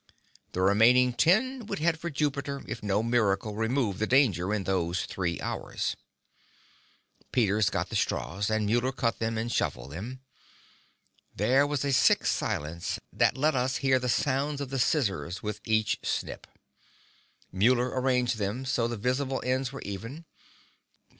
The remaining ten would head for Jupiter if no miracle removed the danger in those three hours. Peters got the straws, and Muller cut them and shuffled them. There was a sick silence that let us hear the sounds of the scissors with each snip. Muller arranged them so the visible ends were even.